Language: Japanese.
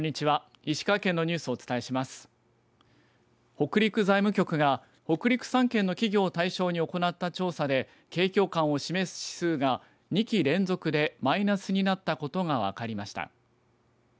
北陸財務局が北陸３県の企業を対象に行った調査で景況感を示す指数が２期連続でマイナスになったことが分かりました。